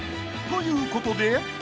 ということで］